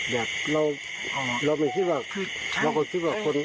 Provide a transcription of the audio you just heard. แบบเราไม่คิดว่าเราก็คิดว่าคน